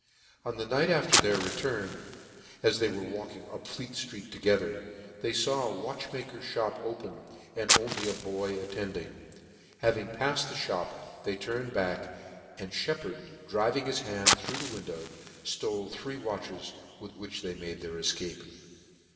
On the night after tne$r return, as they were walking up Fleet (tree: together, they faw a watchmaker's fhop open, and only a boy attend ing : having pafled the Uxop they turned back, and Shcppard driving his hand through the win dow, ftole three watches, with which they made their efcape.